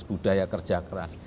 budaya kerja keras